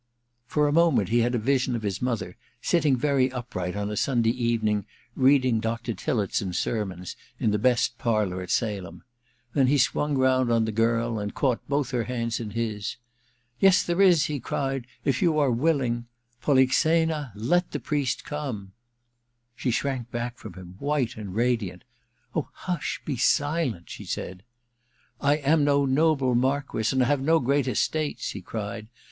For a moment he had a vision of his mother, sitting very upright, on a Sunday evening, read ing Dr. Tillotson's sermons in the best parlour at Salem ; then he swung round on the girl and caught both her hands in his. * Yes, there is,' he cried, * if you are willing. Polixena, let the priest come 1 ' She shrank back from him, white and radiant. ' Oh, hush, be silent !' she said. Ill ENTERTAINMENT 341 * I am no noble Marquess, and have no great estates,' he cried.